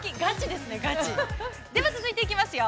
では続いていきますよ。